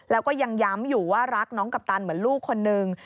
แล้วก็ยังย้ำอยู่ว่ารักน้องกัปตันเหมือนลูกคนนึง